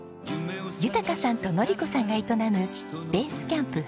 豊さんと典子さんが営むベースキャンプはる。